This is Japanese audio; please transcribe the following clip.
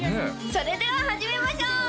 それでは始めましょう！